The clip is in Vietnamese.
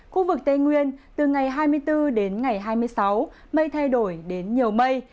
khu vực tây nguyên từ ngày hai mươi bốn đến ngày hai mươi sáu mây thay đổi đến nhiều mây